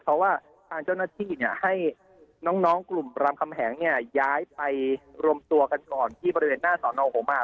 เพราะว่าทางเจ้าหน้าที่ให้น้องกลุ่มรามคำแหงเนี่ยย้ายไปรวมตัวกันก่อนที่บริเวณหน้าสอนองโหมาก